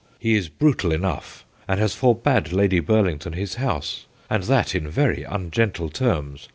He is brutal enough, and has forbad Lady Burlington his house, and that in very ungentle terms.